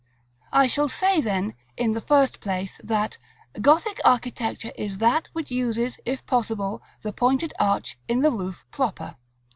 I shall say then, in the first place, that "Gothic architecture is that which uses, if possible, the pointed arch in the roof proper."